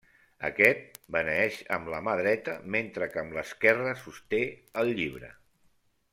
Aquest beneeix amb la mà dreta, mentre que amb l'esquerra sosté el Llibre.